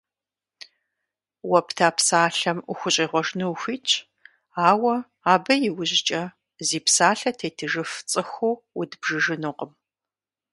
Уэ пта псалъэм ухущӀегъуэжыну ухуитщ, ауэ абы и ужькӀэ зи псалъэ тетыжыф цӀыхуу удбжыжынукъым.